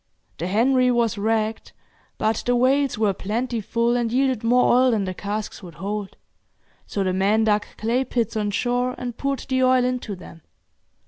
The 'Henry' was wrecked; but the whales were plentiful, and yielded more oil than the casks would hold, so the men dug clay pits on shore, and poured the oil into them.